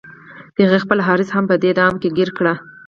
د هغې خپل حرص هغه په دې دام کې ګیر کړه